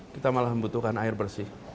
kita malah membutuhkan air bersih